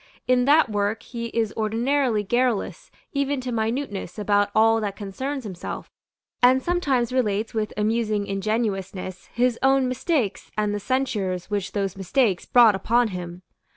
In that work he is ordinarily garrulous even to minuteness about all that concerns himself, and sometimes relates with amusing ingenuousness his own mistakes and the censures which those mistakes brought upon him.